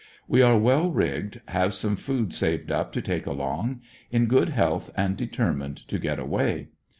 We are well rigged, have some food saved up to take along; in good health and determined to get away.